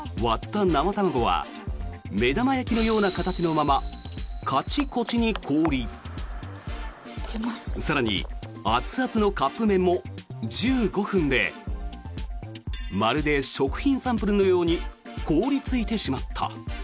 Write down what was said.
割った生卵は目玉焼きのような形のままカチコチに凍り更に、熱々のカップ麺も１５分でまるで食品サンプルのように凍りついてしまった。